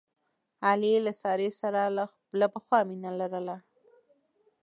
علي له سارې سره له پخوا مینه لرله.